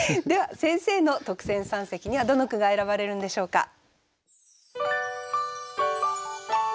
では先生の特選三席にはどの句が選ばれるんでしょうか。